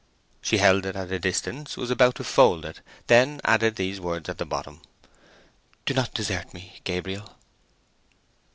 She held it at a distance, was about to fold it, then added these words at the bottom:— "_Do not desert me, Gabriel!